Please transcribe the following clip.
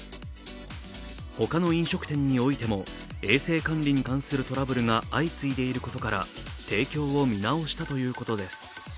他の飲食店においても衛生管理に関するトラブルが相次いでいることから提供を見直したということです。